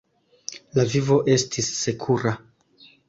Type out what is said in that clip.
La vivo estis sekura.